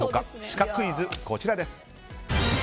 シカクイズ、こちらです。